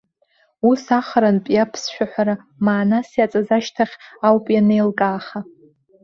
Ус ахарантә иаԥсшәаҳәара маанас иаҵаз ашьҭахь ауп ианеилкааха.